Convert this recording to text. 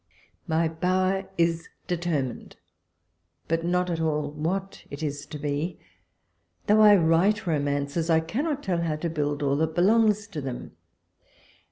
My bower is determined, but not at all what it is to be. Though I write romances, I cannot tell how to build all that belongs to them.